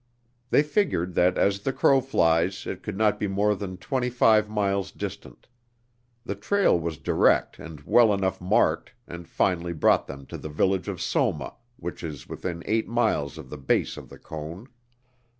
They figured that as the crow flies it could not be more than twenty five miles distant. The trail was direct and well enough marked and finally brought them to the village of Soma which is within eight miles of the base of the cone.